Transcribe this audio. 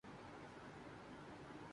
باقی اس غزل میں کوئی اور خامی نہیں۔